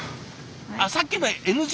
あっさっきのＮＧ？